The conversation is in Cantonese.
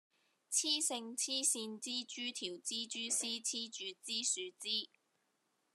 雌性黐線蜘蛛條蜘蛛絲黐住枝樹枝